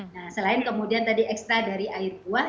nah selain kemudian tadi ekstra dari air buah